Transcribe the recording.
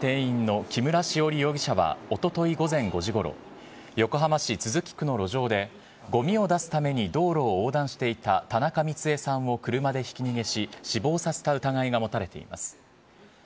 ガールズバー店員の木村栞容疑者はおととい午前５時ごろ、横浜市都筑区の路上で、ごみを出すために道路を横断していた田中ミツエさんを車でひき逃げし、死亡させた疑いが持たれています。